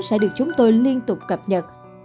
sẽ được chúng tôi liên tục cập nhật